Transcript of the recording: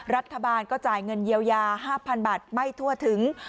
รัฐบาลก็จ่ายเงินเยียวยา๕๐๐๐บาทไม่ทั่วถึง